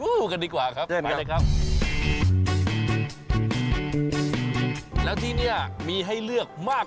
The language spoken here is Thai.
คุยกันดีกว่าครับไปเลยครับ